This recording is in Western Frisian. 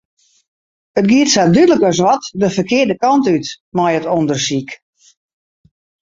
It giet sa dúdlik as wat de ferkearde kant út mei it ûndersyk.